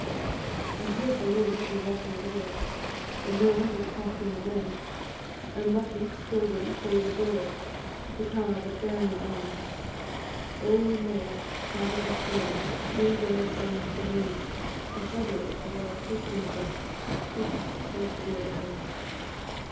I hear below the water roar, The mill wi' clacking din, And lucky scolding frae the door, To ca' the bairnies in. Oh, no! sad and slow, These are nae sounds for me; The shadow of our trysting bush It creeps sae drearily!